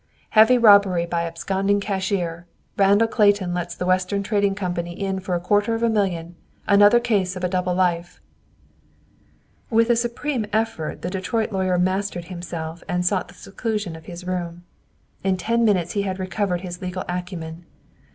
"Heavy Robbery by Absconding Cashier! Randall Clayton Lets the Western Trading Company in for a Quarter of a Million. Another Case of a Double Life!" With a supreme effort the Detroit lawyer mastered himself and sought the seclusion of his room. In ten minutes he had recovered his legal acumen.